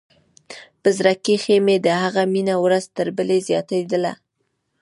په زړه کښې مې د هغه مينه ورځ تر بلې زياتېدله.